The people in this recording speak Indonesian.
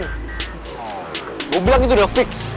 gue bilang itu udah fix